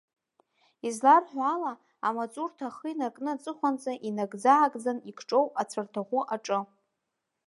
Изларҳәо ала, амаҵурҭа ахы инаркны аҵыхәанӡа инагӡа-аагӡан игҿоу ацәарҭаӷәы аҿы.